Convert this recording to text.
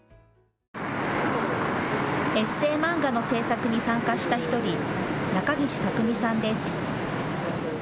エッセー漫画の制作に参加した１人、中岸巧さんです。